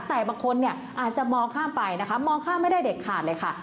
แต่บางคนเนี่ยอาจจะมองข้ามไปนะคะมองข้ามไม่ได้เด็ดขาดเลยค่ะ